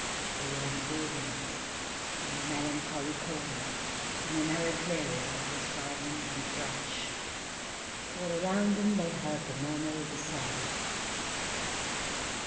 They were in the wilderness, in a melancholy corner, in a narrow clearing that was silent and fresh. All around them they heard the murmur of the Seine.